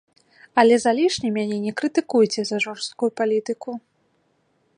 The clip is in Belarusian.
Але залішне мяне не крытыкуйце за жорсткую палітыку.